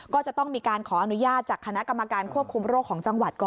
ก็จะต้องมีการขออนุญาตจากคณะกรรมการควบคุมโรคของจังหวัดก่อน